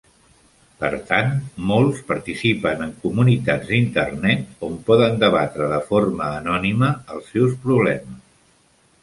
Per tant, molts participen en comunitats d'Internet, on poden debatre de forma anònima els seus problemes.